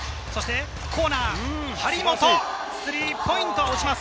コーナーの張本、スリーポイントは落ちます。